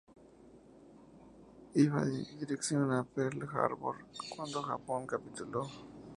Iba en dirección a Pearl Harbor cuando Japón capituló.